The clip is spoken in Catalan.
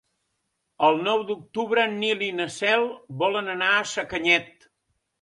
El nou d'octubre en Nil i na Cel volen anar a Sacanyet.